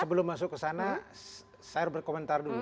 sebelum masuk ke sana saya berkomentari